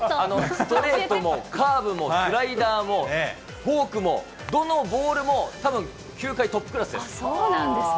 ストレートもカーブもスライダーもフォークもどのボールもたそうなんですか。